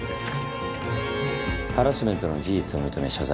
ハラスメントの事実を認め謝罪。